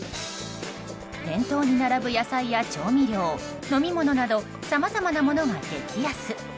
店頭に並ぶ野菜や調味料飲み物などさまざまなものが激安！